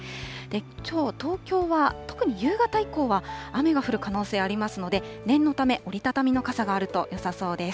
きょう、東京は特に夕方以降は、雨が降る可能性ありますので、念のため、折り畳みの傘があるとよさそうです。